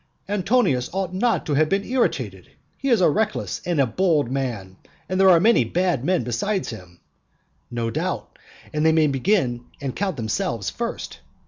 "Antonius ought not to have been irritated, he is a reckless and a bold man, there are many bad men besides him." (No doubt, and they may begin and count themselves first).